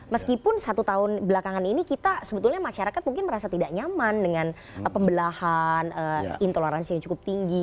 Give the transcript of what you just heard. meskipun satu tahun belakangan ini kita sebetulnya masyarakat mungkin merasa tidak nyaman dengan pembelahan intoleransi yang cukup tinggi